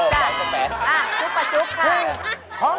จุปปะจุบ